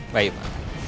baik ya pak